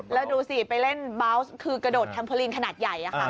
แล้วดูสิไปเล่นเบาส์คือกระโดดแคมปอลินขนาดใหญ่อะค่ะ